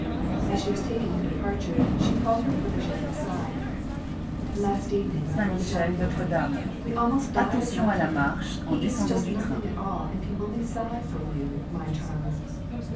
As she was taking her de parture, she called her protSgee aside :—" Last evening my brother dined with me — we almost died of laughing — he eats just nothing at all, and can only sigh for you, my charmer